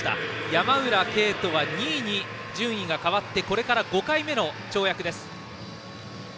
山浦渓斗は２位に順位が変わってこれから５回目の跳躍。